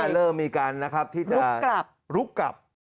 เริ่มมีการนะครับที่จะลุกกลับ